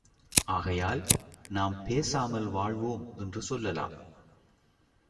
ஆகையால், நாம் பேசாமல் வாழ்வோம் என்று சொல்லலாம்.